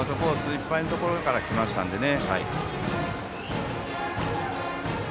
いっぱいから来ましたのでね。